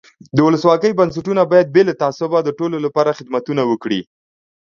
د ولسواکۍ بنسټونه باید بې له تعصبه د ټولو له پاره خدمتونه وکړي.